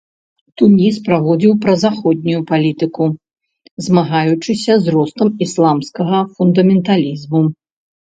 Туніс праводзіў празаходнюю палітыку, змагаючыся з ростам ісламскага фундаменталізму.